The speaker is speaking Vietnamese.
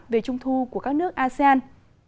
về trung thu của các nước asean